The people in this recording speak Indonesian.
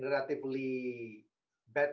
cara yang lebih baik